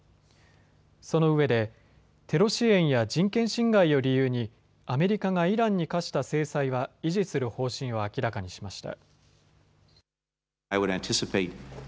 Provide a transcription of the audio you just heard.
そのうえでテロ支援や人権侵害を理由にアメリカがイランに科した制裁は維持する方針を明らかにしました。